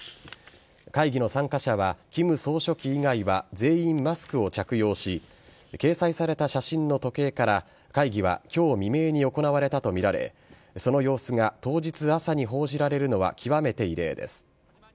会議の参加者は金総書記以外は全員マスクを着用し掲載された写真の時計から会議は今日未明に行われたとみられその様子が当日朝に報じられるのは極めて異例です。